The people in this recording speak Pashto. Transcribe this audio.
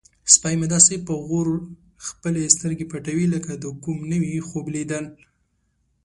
سپی مې داسې په غور خپلې سترګې پټوي لکه د کوم نوي خوب لیدل.